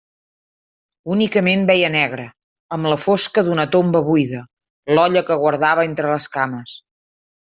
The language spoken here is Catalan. Únicament veia negre, amb la fosca d'una tomba buida, l'olla que guardava entre les cames.